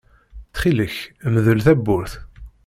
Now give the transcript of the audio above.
Ttxil-k, mdel tawwurt.